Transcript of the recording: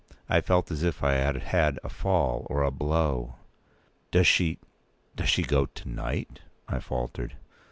I felt as if I had had a fall or a blow. "Does she—does she go to night?" I faltered.